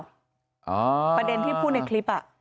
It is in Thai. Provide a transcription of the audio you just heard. ประเด็นที่พูดในคลิปอ่ะ